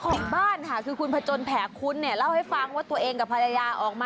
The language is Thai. มันดูละทึกแล้วใจอะไรขนาดนี้จริงนะ